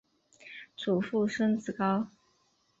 祖父孙子高。